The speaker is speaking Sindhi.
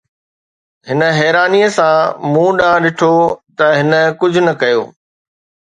هن حيرانيءَ سان مون ڏانهن ڏٺو ته هن ڪجهه نه ڪيو